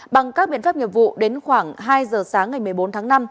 bằng các biện pháp nghiệp vụ đến khoảng hai giờ sáng ngày một mươi bốn tháng năm